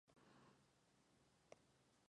Cox se quedó en Europa.